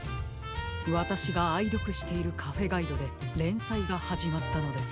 わたしがあいどくしているカフェガイドでれんさいがはじまったのです。